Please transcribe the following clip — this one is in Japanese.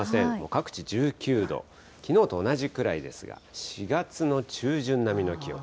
各地１９度、きのうと同じぐらいですが、４月の中旬並みの気温。